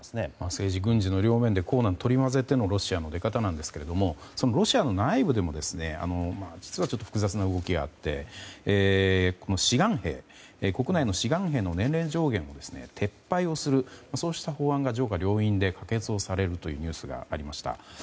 政治、軍事の両面で取り交ぜてのロシアの出方ですがロシアの内部でも実は複雑な動きがあって国内の志願兵の年齢上限の撤廃をする法案が上下両院で可決をされるというニュースがありました。